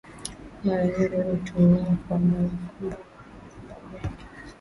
mara nyingi hutumiwa kwa mbao kwa sababu yake